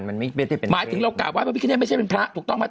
หมายถึงเรากลายไว้พระพิฆเนตไม่ใช่เป็นพระถูกต้องไหม